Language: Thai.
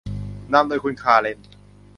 นำโดยคุณคาเรน